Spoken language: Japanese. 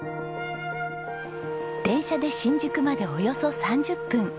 電車で新宿までおよそ３０分。